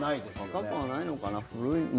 若くはないのかな。